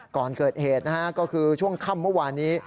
ก่อนเกิดเหตุนะฮะก็คือช่วงค่ำเมื่อวานนี้